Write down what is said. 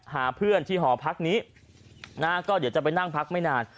หาเพื่อนที่หอพักนี้นะฮะก็เดี๋ยวจะไปนั่งพักไม่นาน